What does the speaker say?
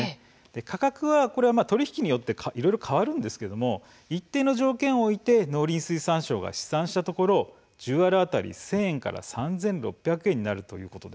価格は取引によっていろいろ変わりますが一定の条件を置いて農林水産省が試算したところ１０アール当たり１０００円から３６００円。